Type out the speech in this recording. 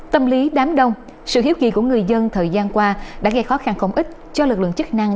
tâm lý đám đông sự hiếu kỳ của người dân thời gian qua đã gây khó khăn không ít cho lực lượng chức năng